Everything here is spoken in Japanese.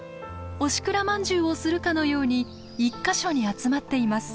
押しくらまんじゅうをするかのように１か所に集まっています。